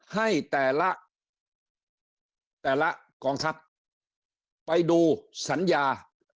ให้แต่ละแต่ละกองทัพไปดูสัญญา